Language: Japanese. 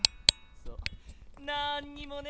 そうなんにもね。